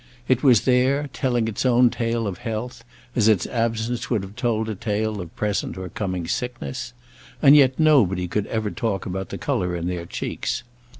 It was there, telling its own tale of health, as its absence would have told a tale of present or coming sickness; and yet nobody could ever talk about the colour in their cheeks.